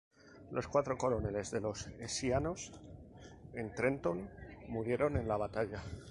Los cuatro coroneles de los hessianos en Trenton murieron en la batalla.